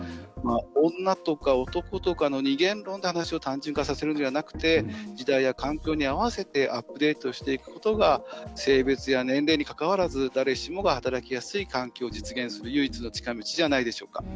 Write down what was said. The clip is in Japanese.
女とか男とかの二元論で話を単純化させるんではなくて時代や環境に合わせてアップデートしていくことが性別や年齢にかかわらず誰しもが働きやすい環境を実現する唯一の近道じゃないでしょうか。